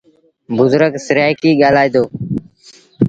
بزرگ سرآئيڪيٚ ڳآلآئيٚتو۔